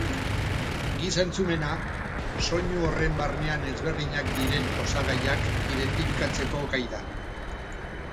Giza-entzumena soinu horren barnean ezberdinak diren osagaiak identifikatzeko gai da.